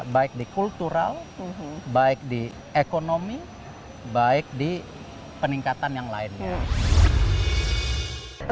baik di kultural baik di ekonomi baik di peningkatan yang lainnya